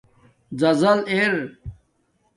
زَزل اِر